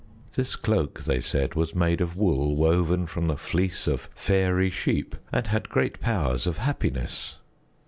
This cloak, they said, was made of wool woven from the fleece of fairy sheep and had great powers of happiness.